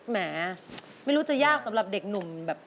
แหมไม่รู้จะยากสำหรับเด็กหนุ่มแบบ